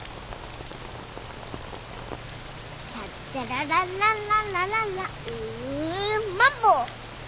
「チャッチャララランランラランラ」ウマンボ。